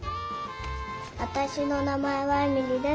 わたしのなまえはえみりです。